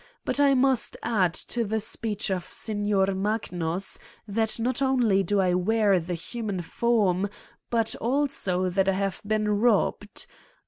But I must add to the speech of Signor Magnus that not only do I wear the human form but also that I have been robbed.